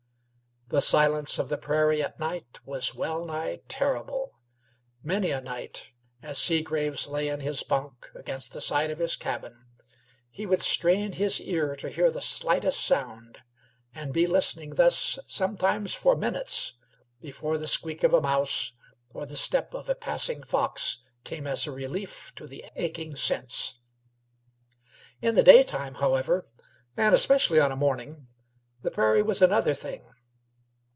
The silence of the prairie at night was well nigh terrible. Many a night, as Seagraves lay in his bunk against the side of his cabin, he would strain his ear to hear the slightest sound, and be listening thus sometimes for minutes before the squeak of a mouse or the step of a passing fox came as a relief to the aching sense. In the daytime, however, and especially on a morning, the prairie was another thing.